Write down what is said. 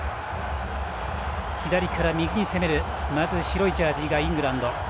左から右に攻める白いジャージーがイングランド。